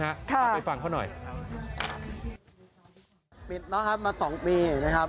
ออกไปฟังเขาหน่อย